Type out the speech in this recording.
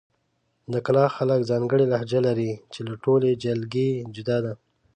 د کلاخ خلک ځانګړې لهجه لري، چې له ټولې جلګې جدا ده.